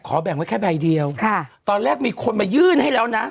แบ่งไว้แค่ใบเดียวค่ะตอนแรกมีคนมายื่นให้แล้วนะ